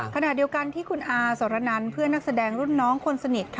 ขณะเดียวกันที่คุณอาสรนันเพื่อนนักแสดงรุ่นน้องคนสนิท